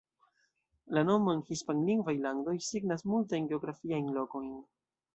La nomo en hispanlingvaj landoj signas multajn geografiajn lokojn.